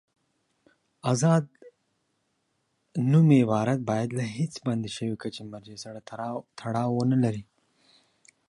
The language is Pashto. آزاد نومي عبارت باید له هېڅ بند شوي کچې مرجع سره تړاو ونلري.